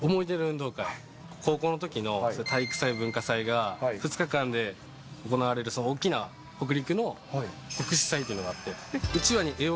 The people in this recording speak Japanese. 高校のときの体育祭、文化祭が、２日間で行われる、その大きな北陸の北紫祭っていうのがあって。